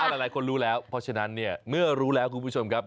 หลายคนรู้แล้วเพราะฉะนั้นเนี่ยเมื่อรู้แล้วคุณผู้ชมครับ